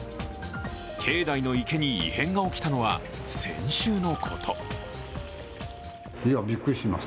境内の池に異変が起きたのは先週のこと。